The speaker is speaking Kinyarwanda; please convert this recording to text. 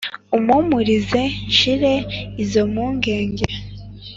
umpumurize nshire izo mpungenge